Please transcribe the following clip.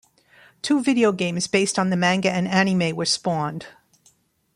Two video games based on the manga and anime were spawned.